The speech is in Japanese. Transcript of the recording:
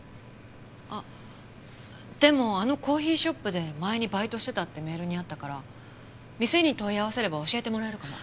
あでもあのコーヒーショップで前にバイトしてたってメールにあったから店に問い合わせれば教えてもらえるかも。